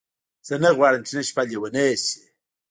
زه نه غواړم چې نن شپه لیونۍ شې.